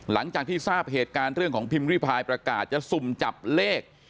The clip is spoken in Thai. หลังจากที่ทราบเหตุการณ์เรื่องของพิมพ์ริพายประกาศจะสุ่มจับเลข